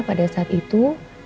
pada saat itu